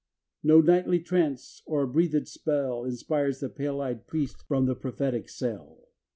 No nightly trance, or breathed spell, Inspires the pale eyed Priest from the prophetic cell.